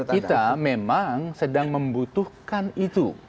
kita memang sedang membutuhkan itu